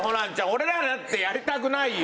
俺らだってやりたくないよ。